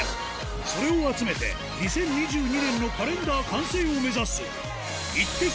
それを集めて、２０２２年のカレンダー完成を目指す、イッテＱ